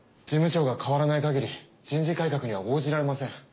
事務長が変わらないかぎり人事改革には応じられません。